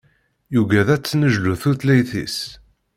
Yuggad ad tennejlu tutlayt-is.